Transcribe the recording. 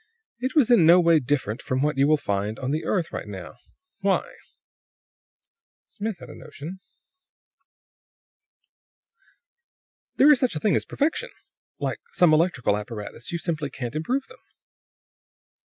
It was in no way different from what you will find on the earth right now. Why?" Smith had a notion. "There is such a thing as perfection. Like some electrical apparatus; you simply can't improve them."